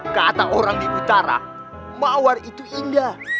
kata orang di utara mawar itu indah